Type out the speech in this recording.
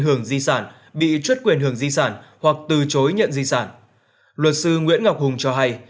hưởng di sản bị chuất quyền hưởng di sản hoặc từ chối nhận di sản luật sư nguyễn ngọc hùng cho hay